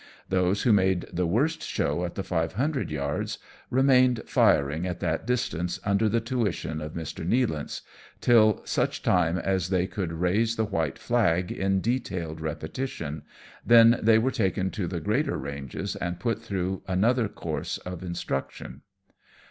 Those who made the worst show at the five hundred yards remained firing at that distance under the tuition of 10 AMONG TYPHOONS AND PIRATE CRAFT. Mr. Nealance, till such time as they could raise the white flag in detailed repetition, then they were taken to the greater ranges and put through another course of instruction.